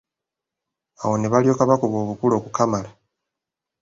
Awo ne balyoka bakuba obukule okukamala!